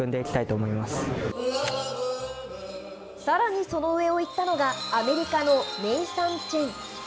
さらにその上をいったのが、アメリカのネイサン・チェン。